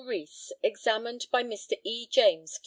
REES, examined by Mr. E. JAMES, Q.